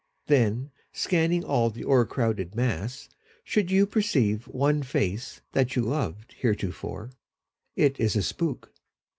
Then, scanning all the o'ercrowded mass, should you Perceive one face that you loved heretofore, It is a spook.